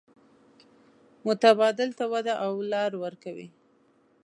متبادل ته وده او لار ورکوي.